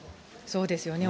そうですよね。